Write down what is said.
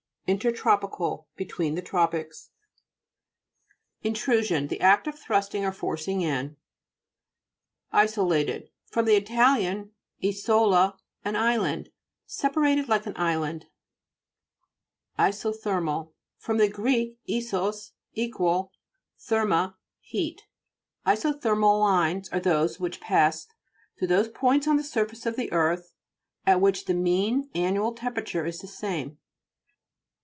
INTERTIUMPICAL Between the tro pics. [NTRUSION The act of thrusting or forcing in. I'SOLATED fr. it. wo/a, an island. Separated like an island. ISOTHE'RMAL fr. gr. isos, equal, therme, heat. Isothermal lines are those which pass through those points on the surface of the earth, at which the mean annual tempera ture is the same.